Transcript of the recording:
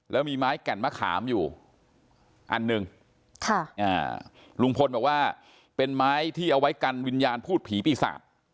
แล้วมีไม้แก่นมะขามอยู่อันหนึ่งลุงพลบอกว่าเป็นไม้ที่เอาไว้กันวิญญาณพูดผีปีศาจ